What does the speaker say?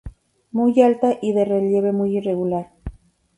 Muy alta y de relieve muy irregular.